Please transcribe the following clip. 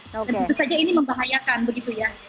dan itu saja ini membahayakan begitu ya